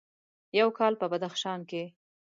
یو کال په بدخشان کې: